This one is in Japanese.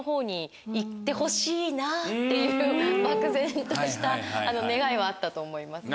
なっていう漠然とした願いはあったと思います。